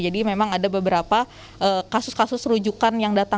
jadi memang ada beberapa kasus kasus rujukan yang datang